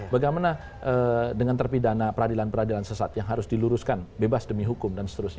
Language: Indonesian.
bagaimana dengan terpidana peradilan peradilan sesat yang harus diluruskan bebas demi hukum dan seterusnya